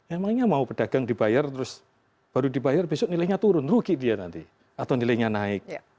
emangnya mau pedagang dibayar terus baru dibayar besok nilainya turun rugi dia nanti atau nilainya naik